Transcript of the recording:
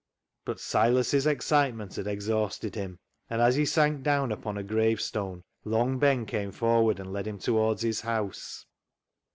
" But Silas' excitement had exhausted him ; and as he sank down upon a gravestone, Long Ben came forward and led him towards his house.